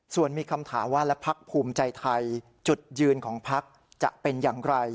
ส่วนมีคำถามว่าและพักภูมิใจไทยจุดยืนของพักจะเป็นอย่างไร